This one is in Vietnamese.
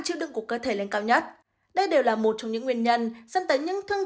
chịu đựng của cơ thể lên cao nhất đây đều là một trong những nguyên nhân dẫn tới những thương